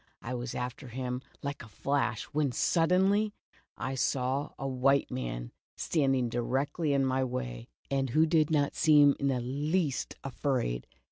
I was after him like a flash, when suddenly, I saw a white man standing directly in my way, and who did not seem in the least afraid.